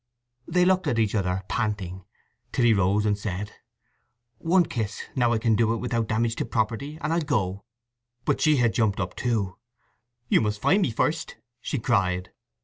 They looked at each other, panting; till he rose and said: "One kiss, now I can do it without damage to property; and I'll go!" But she had jumped up too. "You must find me first!" she cried.